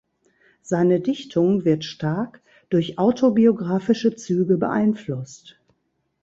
Seine Dichtung wird stark durch autobiografische Züge beeinflusst.